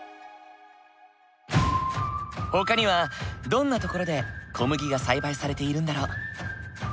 ほかにはどんな所で小麦が栽培されているんだろう？